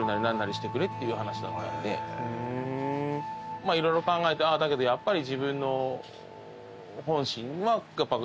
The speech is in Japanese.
まあ色々考えてだけどやっぱり。